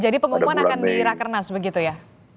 jadi pengumuman akan di rakernas begitu ya